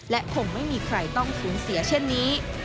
และคงไม่มีใครต้องสูญเสียเช่นนี้